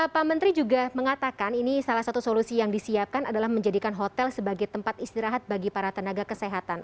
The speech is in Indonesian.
pak menteri juga mengatakan ini salah satu solusi yang disiapkan adalah menjadikan hotel sebagai tempat istirahat bagi para tenaga kesehatan